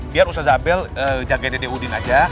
biar ustadz abel jagain dede udin aja